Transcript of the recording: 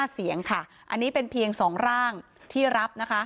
๕เสียงค่ะอันนี้เป็นเพียง๒ร่างที่รับนะคะ